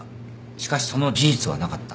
しかしその事実はなかった。